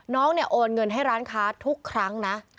น้องเนี่ยโอนเงินให้ร้านค้าทุกครั้งนะ